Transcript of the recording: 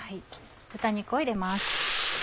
豚肉を入れます。